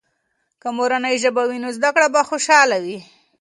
که مورنۍ ژبه وي، نو زده کړه به خوشحاله وي.